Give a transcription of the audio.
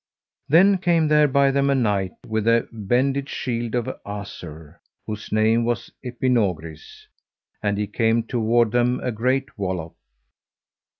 Then came there by them a knight with a bended shield of azure, whose name was Epinogris, and he came toward them a great wallop.